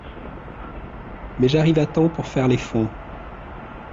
Mais j’arrive à temps pour faire les fonds…